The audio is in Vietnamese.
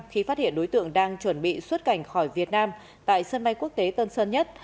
khi phát hiện đối tượng đang chuẩn bị xuất cảnh khỏi việt nam tại sân bay quốc tế tân sơn nhất